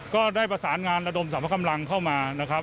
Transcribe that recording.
ก็ได้ประสานงานระดมสรรพคำรังเข้ามา